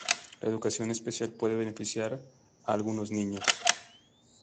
La educación especial puede beneficiar a algunos niños.